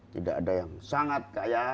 tidak ada yang sangat kaya